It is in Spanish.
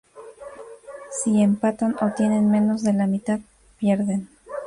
Si empatan o tienen menos de la mitad, pierden.